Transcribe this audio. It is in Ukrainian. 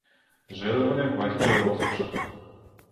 Жили вони в батька у розкошах.